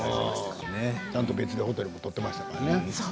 ちゃんと別のホテルを取っていましたからね。